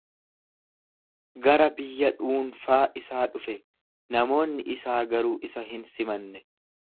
Gara biyya dhuunfaa isaa dhufe; namoonni isaa garuu isa hin simanne.